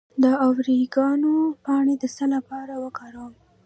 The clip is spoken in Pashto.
د اوریګانو پاڼې د څه لپاره وکاروم؟